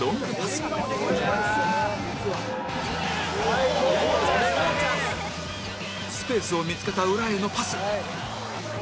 スペースを見付けた裏へのパス